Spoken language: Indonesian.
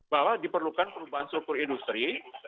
bahwa diperlukan perubahan struktur industri